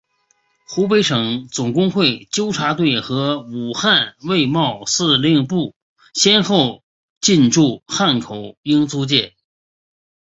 湖北省总工会纠察队和武汉卫戍司令部先后进驻汉口英租界。